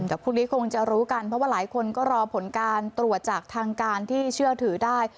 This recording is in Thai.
เดี๋ยวพรุ่งนี้คงจะรู้กันเพราะว่าหลายคนก็รอผลการตรวจจากทางการที่เชื่อถือได้